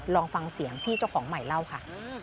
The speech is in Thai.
ลองฟังเสียงพี่เจ้าของใหม่เล่าค่ะ